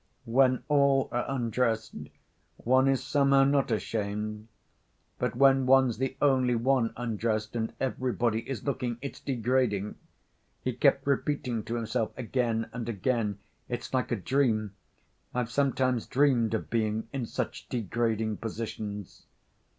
"When all are undressed, one is somehow not ashamed, but when one's the only one undressed and everybody is looking, it's degrading," he kept repeating to himself, again and again. "It's like a dream, I've sometimes dreamed of being in such degrading positions."